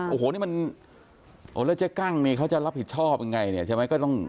โอ้โหนี่มันโอ้แล้วเจ๊กั้งนี่เขาจะรับผิดชอบยังไงเนี่ยใช่ไหมก็ต้อง